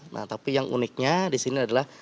nah tapi yang uniknya di sini adalah